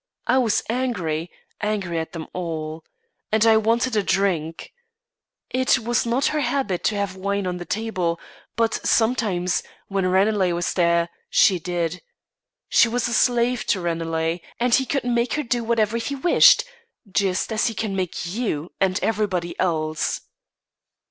I was angry; angry at them all, and I wanted a drink. It was not her habit to have wine on the table; but sometimes, when Ranelagh was there, she did. She was a slave to Ranelagh, and he could make her do whatever he wished, just as he can make you and everybody else."